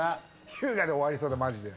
ひゅうがで終わりそうだマジで。